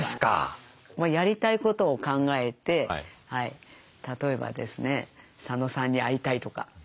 やりたいことを考えて例えばですね佐野さんに会いたいとか。